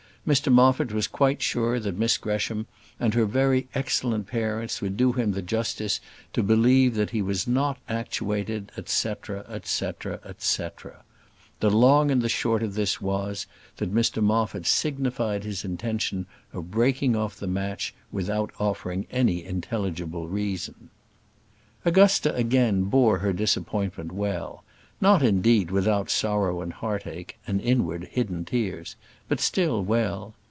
Mr Moffat was quite sure that Miss Gresham and her very excellent parents would do him the justice to believe that he was not actuated, &c., &c., &c. The long and the short of this was, that Mr Moffat signified his intention of breaking off the match without offering any intelligible reason. Augusta again bore her disappointment well: not, indeed, without sorrow and heartache, and inward, hidden tears; but still well.